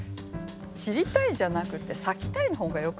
「散りたい」じゃなくて「咲きたい」の方がよくない？